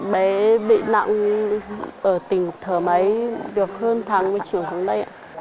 bé bị nặng ở tỉnh thở máy được hơn tháng một mươi chiều xuống đây ạ